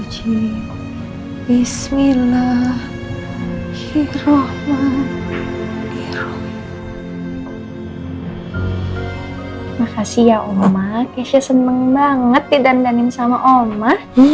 keisha seneng banget didandanin sama oma